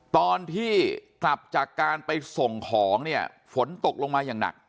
ตอนที่กลับจากการไปส่งของเนี่ยฝนตกลงมาอย่างหนัก